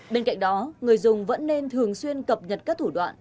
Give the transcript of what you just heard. bên cạnh đó người dùng vẫn nên thường xuyên cập nhật các thủ đoạn